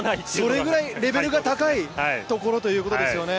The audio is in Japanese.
それぐらいレベルが高いというころということですよね。